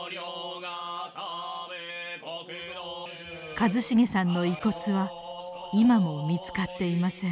和重さんの遺骨は今も見つかっていません。